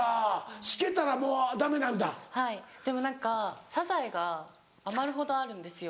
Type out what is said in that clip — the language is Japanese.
でも何かサザエが余るほどあるんですよ。